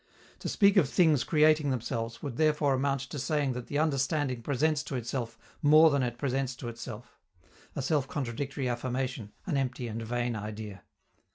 To speak of things creating themselves would therefore amount to saying that the understanding presents to itself more than it presents to itself a self contradictory affirmation, an empty and vain idea.